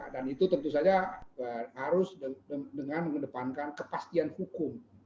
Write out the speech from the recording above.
dan itu tentu saja harus dengan mengedepankan kepastian hukum